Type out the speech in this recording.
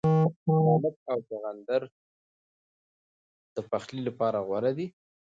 پالک او چغندر د پخلي لپاره غوره دي.